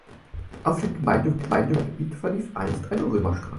Auf dem Gemeindegebiet verlief einst eine Römerstraße.